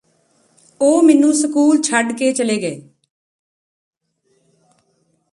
ਉਹ ਮੈਨੂੰ ਸਕੂਲ ਛੱਡ ਕੇ ਚਲੇ ਗਏ